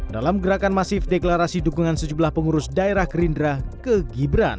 dalam gerakan masif deklarasi dukungan sejumlah pengurus daerah gerindra ke gibran